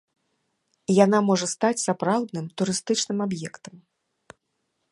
Яна можа стаць сапраўдным турыстычным аб'ектам.